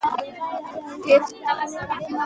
دا ریښتونی تر قیامته شک یې نسته په ایمان کي